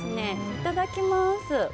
いただきます。